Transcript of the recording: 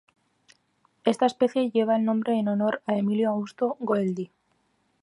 Esta especie lleva el nombre en honor a Emílio Augusto Goeldi.